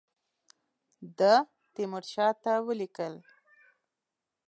ده تیمورشاه ته ولیکل.